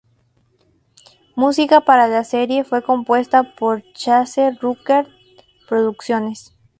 Música para la serie fue compuesta por Chase Rucker Producciones.